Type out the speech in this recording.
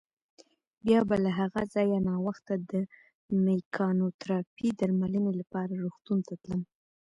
بیا به له هغه ځایه ناوخته د مېکانوتراپۍ درملنې لپاره روغتون ته تلم.